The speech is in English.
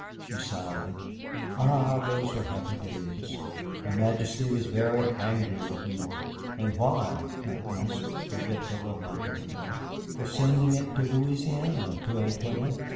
She sighed. "Ah, those were happy days! Her Majesty was very angry with me." "And why?" I asked, forgetful of my predicament. "For sending it to Louisiana, to Antoinette."